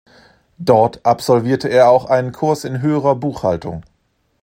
Dort absolvierte er auch einen Kurs in höherer Buchhaltung.